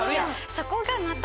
そこがまた。